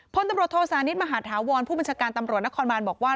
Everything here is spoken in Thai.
พลตำรวจโทษานิทมหาธาวรผู้บัญชาการตำรวจนครบานบอกว่า